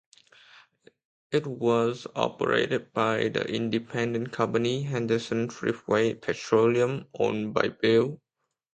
It was operated by the independent company Henderson Thriftway Petroleum, owned by Bill Henderson.